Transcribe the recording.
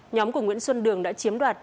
nhóm của nguyễn xuân đường đã chiếm đoạt